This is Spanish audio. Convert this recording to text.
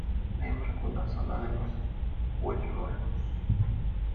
La hembra cuida sola de los polluelos.